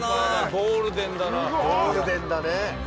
ゴールデンだね。